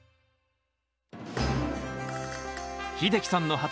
秀樹さんの畑